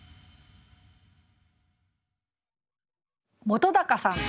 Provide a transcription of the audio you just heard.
本さん。